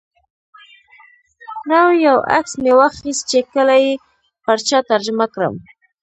نو یو عکس مې واخیست چې کله یې پر چا ترجمه کړم.